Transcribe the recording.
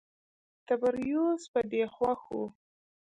تبریوس په دې خوښ و.